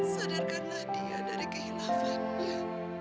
sadarkanlah dia dari kehilafannya